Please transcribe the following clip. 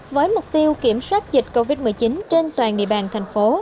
với mục tiêu kiểm soát dịch covid một mươi chín trên toàn địa bàn thành phố